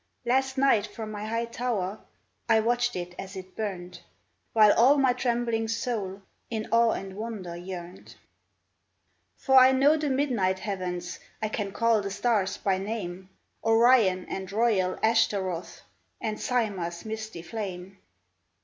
" Last night from my high tower I watched it as it burned, While all my trembling soul In awe and wonder yearned. " For I know the midnight heavens ; I can call the stars by name — Orion and royal Ashtaroth And Cimah's misty flame.